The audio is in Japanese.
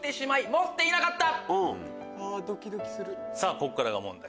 こっからが問題